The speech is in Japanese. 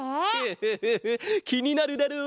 フフフフきになるだろ？